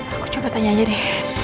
aku coba tanya aja deh